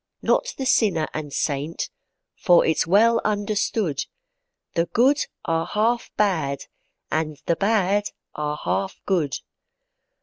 Not the sinner and saint, for it's well understood, The good are half bad, and the bad are half good.